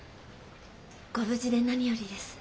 ご無事で何よりです。